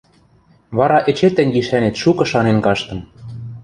Вара эче тӹнь гишӓнет шукы шанен каштым.